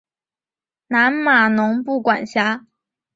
南马农布管辖。